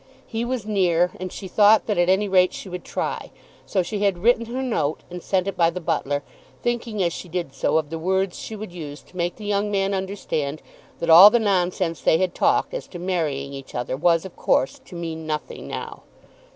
He was near, and she thought that at any rate she would try. So she had written her note and sent it by the butler, thinking as she did so of the words she would use to make the young man understand that all the nonsense they had talked as to marrying each other was, of course, to mean nothing now.